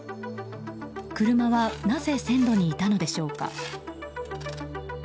車は、なぜ線路にいたのでしょうか。